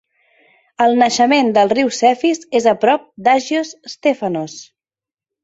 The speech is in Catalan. El naixement del riu Cefís és a prop d'Agios Stefanos.